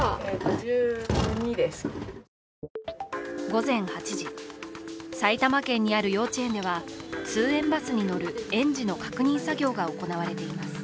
午前８時、埼玉県にある幼稚園では通園バスに乗る園児の確認作業が行われています。